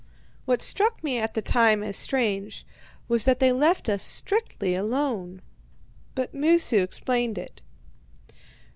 What struck me at the time as strange was that they left us strictly alone. But Moosu explained it.